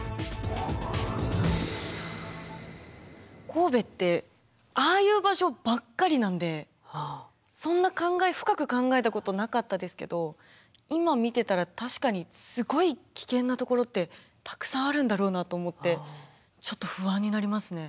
神戸ってああいう場所ばっかりなんでそんな深く考えたことなかったですけど今見てたら確かにすごい危険なところってたくさんあるんだろうなと思ってちょっと不安になりますね。